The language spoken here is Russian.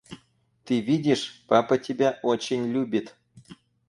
Ты видишь, папа тебя очень любит!